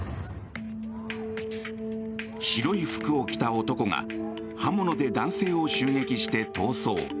白い服を着た男が刃物で男性を襲撃して逃走。